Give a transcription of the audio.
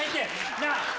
なあ。